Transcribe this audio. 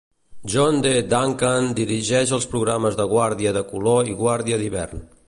John D. Duncan dirigeix els programes de guàrdia de color i guàrdia d"hivern.